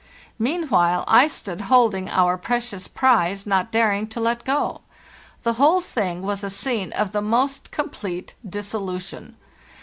Meanwhile I stood holding our precious prize, not daring to let go. The whole thing was a scene of the most complete dissolution.